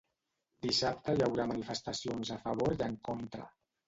Dissabte hi haurà manifestacions a favor i en contra.